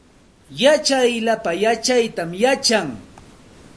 Yachaq lapa yachaytam yachan